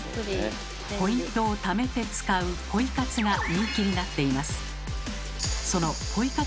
ポイントをためて使う「ポイ活」が人気になっています。